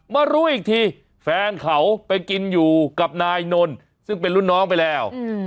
มารู้อีกทีแฟนเขาไปกินอยู่กับนายนนท์ซึ่งเป็นรุ่นน้องไปแล้ว